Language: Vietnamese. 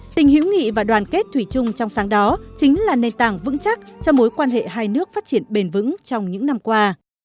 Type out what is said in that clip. tình hữu nghị và đoàn kết thủy chung trong sáng đó chính là nền tảng vững chắc cho mối quan hệ hai nước phát triển bền vững trong những năm qua